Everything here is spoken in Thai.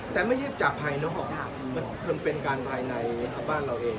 แต่ไม่ใช่จากภายนอกมันเป็นการภายในบ้านเราเอง